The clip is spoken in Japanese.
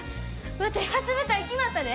ワテ初舞台決まったで！